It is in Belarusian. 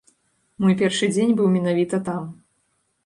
Мой першы дзень быў менавіта там.